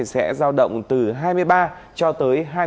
sẽ giao động từ hai mươi ba cho tới